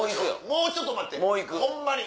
もうちょっと待ってホンマに。